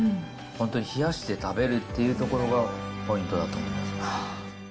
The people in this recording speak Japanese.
本当に冷やして食べるっていうところがポイントだと思います。